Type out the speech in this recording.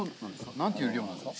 何という漁なんですか？